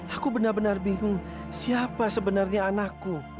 aku benar benar bingung siapa sebenarnya anakku